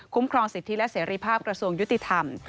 ครองสิทธิและเสรีภาพกระทรวงยุติธรรม